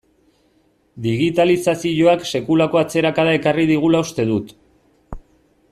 Digitalizazioak sekulako atzerakada ekarri digula uste dut.